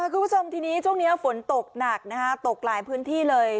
คุณผู้ชมทีนี้ช่วงนี้ฝนตกหนักนะคะตกหลายพื้นที่เลย